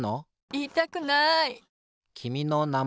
いいたくない。